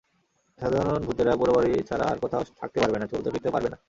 সাধারণ ভূতেরা পোড়োবাড়ি ছাড়া আর কোথাও থাকতে পারবে না, চলতে-ফিরতেও পারবে না।